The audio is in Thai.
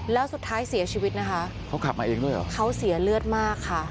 แล้วสุดท้ายเสียชีวิตนะคะเขาขับมาเองด้วยเหรอเขาเสียเลือดมากค่ะ